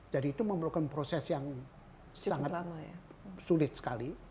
jadi itu memerlukan proses yang sangat sulit sekali